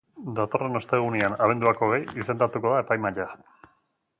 Datorren ostegunean, abenduak hogei, izendatuko da epaimahaia.